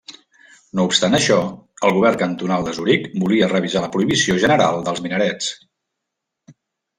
No obstant això, el govern cantonal de Zuric volia revisar la prohibició general dels minarets.